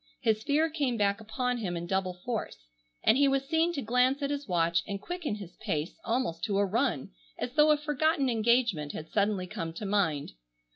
His fear came back upon him in double force, and he was seen to glance at his watch and quicken his pace almost to a run as though a forgotten engagement had suddenly come to mind.